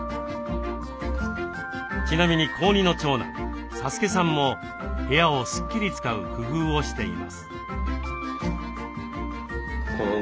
ちなみに高２の長男颯恭さんも部屋をスッキリ使う工夫をしています。